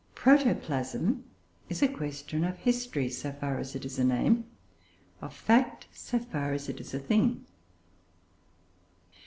"Protoplasm" is a question of history, so far as it is a name; of fact, so far as it is a thing.